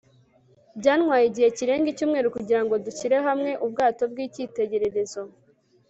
byantwaye igihe kirenga icyumweru kugirango dushyire hamwe ubwato bw'icyitegererezo